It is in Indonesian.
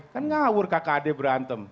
kan ngawur kakak adik berantem